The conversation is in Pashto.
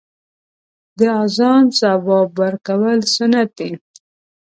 د اذان ځواب ورکول سنت دی .